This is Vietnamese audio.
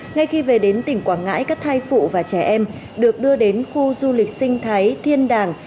ngay khi về đến tỉnh quảng ngãi các thai phụ và trẻ em được đưa đến khu du lịch sinh thái thiên đàng